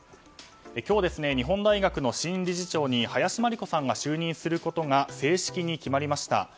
今日、日本大学の新理事長に林真理子さんが就任することが正式に決まりました。